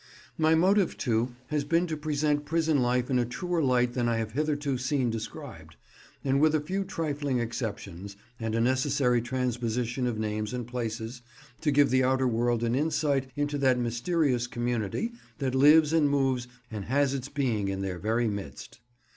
My motive, too, has been to present prison life in a truer light than I have hitherto seen described, and, with a few trifling exceptions, and a necessary transposition of names and places, to give the outer world an insight into that mysterious community that lives and moves and has its being in their very midst.